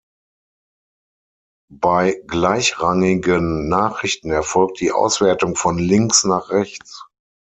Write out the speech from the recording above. Bei „gleichrangigen“ Nachrichten erfolgt die Auswertung von links nach rechts.